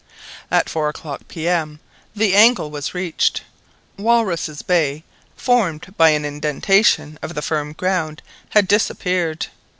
At four o'clock P.M., the angle was reached. Walruses' Bay, formed by an indentation of the firm ground, had disappeared!